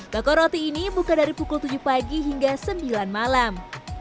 bakar roti ini buka dari pukul tujuh pagi hingga sembilan malam